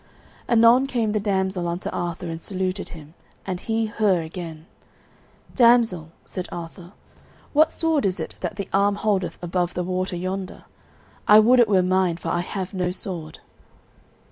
Anon came the damsel unto Arthur and saluted him, and he her again. "Damsel," said Arthur, "what sword is it that the arm holdeth above the water yonder? I would it were mine, for I have no sword."